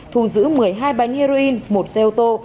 thu giữ một mươi hai bánh heroin một xe ô tô